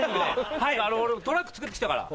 俺トラックつくってきたから。